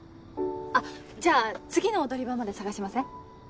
あっじゃあ次の踊り場まで捜しません？